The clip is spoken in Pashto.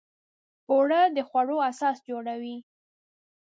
اوړه د خوړو اساس جوړوي